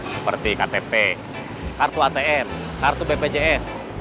seperti ktp kartu atm kartu bpjs